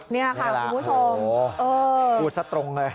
นี่ค่ะคุณผู้ชมโอ้โฮพูดสัตว์ตรงเลย